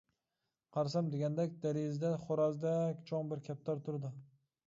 قارىسام دېگەندەك دېرىزىدە خورازدەك چوڭ بىر كەپتەر تۇرىدۇ.